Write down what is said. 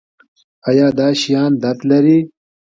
ایا دا شیان درد لري؟